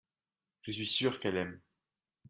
Je suis sûr qu’elle aime.